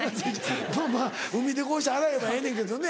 海でこうして洗えばええねんけどね。